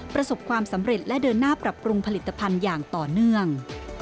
ประสบความสำเร็จและเดินหน้าปรับปรุงผลิตภัณฑ์อย่างต่อเนื่อง